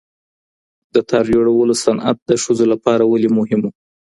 د تار جوړولو صنعت د ښځو لپاره ولې مهم و؟